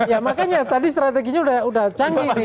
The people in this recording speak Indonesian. ya makanya tadi strateginya udah canggih sih